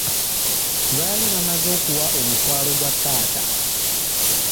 Baali bamaze okuwa omutwalo gwa taata.